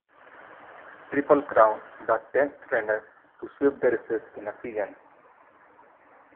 Triple Crown, the tenth trainer to sweep the races in a season.